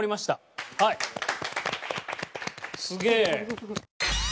すげえ。